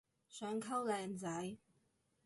想溝靚仔